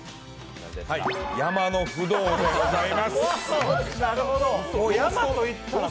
山のフドウでございます。